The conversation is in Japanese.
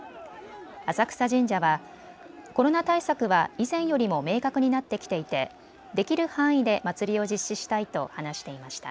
浅草神社は、コロナ対策は以前よりも明確になってきていてできる範囲で祭りを実施したいと話していました。